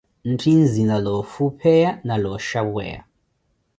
Ntthi nzina loofupheya na looxhapweya.